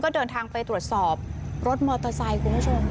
เดินทางไปตรวจสอบรถมอเตอร์ไซค์คุณผู้ชม